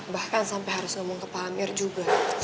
bahkan sampai harus ngomong ke pamir juga